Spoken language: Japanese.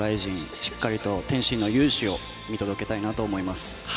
しっかり天心の雄姿を見届けたいなと思います。